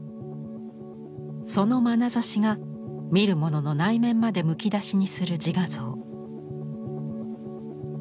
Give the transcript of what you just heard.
そのまなざしが見る者の内面までむき出しにする自画像。